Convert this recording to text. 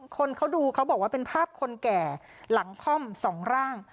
คนเขาดูเขาบอกว่าเป็นภาพคนแก่หลังค่อมสองร่าง